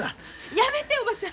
やめておばちゃん。